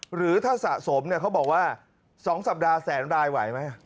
หรือถ้าสะสมเขาบอกว่า๒สัปดาห์แสนรายไหวไหม